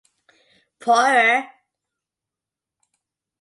Poirier.